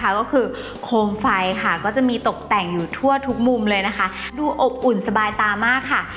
ก็คือโคมไฟค่ะก็จะมีตกแต่งอยู่ทั่วทุกมุมเลยนะคะดูอบอุ่นสบายตามากค่ะ